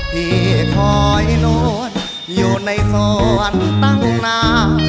พี่คอยรวดอยู่ในสวรรค์ตั้งหน้า